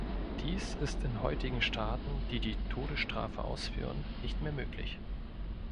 Dies ist in heutigen Staaten, die die Todesstrafe ausführen, nicht mehr möglich.